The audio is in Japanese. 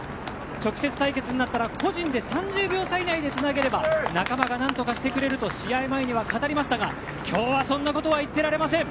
直接対決になったら個人で３０秒差以内でつなげれば仲間がなんとかしてくれると試合前には語りましたが今日はそんなことは言ってられません。